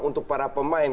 untuk para pemain